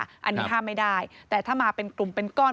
อันนี้ห้ามไม่ได้แต่ถ้ามาเป็นกลุ่มเป็นก้อน